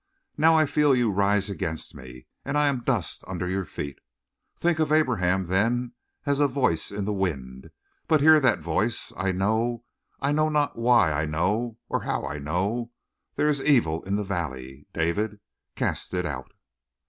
Now I feel you rise against me, and I am dust under your feet. Think of Abraham, then, as a voice in the wind, but hear that voice. I know, but I know not why I know, or how I know, there is evil in the valley, David. Cast it out!"